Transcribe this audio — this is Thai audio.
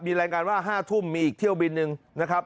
มีรายงานว่า๕ทุ่มมีอีกเที่ยวบินหนึ่งนะครับ